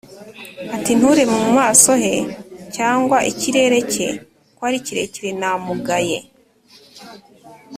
ati “Nturebe mu maso he cyangwa ikirere cye ko ari kirekire namugaye